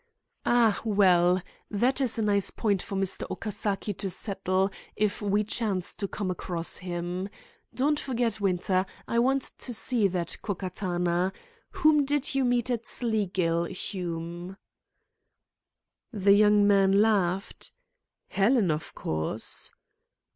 "Ah, well. That is a nice point for Mr. Okasaki to settle if we chance to come across him. Don't forget, Winter, I want to see that Ko Katana. Whom did you meet at Sleagill, Hume?" The young man laughed. "Helen, of course."